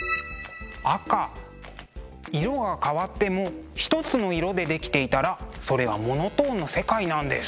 色が変わってもひとつの色で出来ていたらそれはモノトーンの世界なんです。